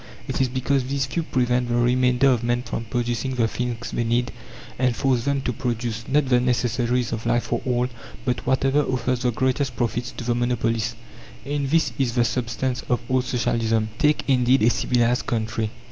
It is because these few prevent the remainder of men from producing the things they need, and force them to produce, not the necessaries of life for all, but whatever offers the greatest profits to the monopolists. In this is the substance of all Socialism. Take, indeed, a civilized country.